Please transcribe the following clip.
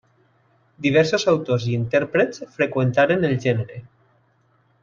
Diversos autors i intèrprets freqüentaren el gènere.